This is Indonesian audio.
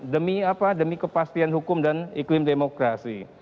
demi apa demi kepastian hukum dan iklim demokrasi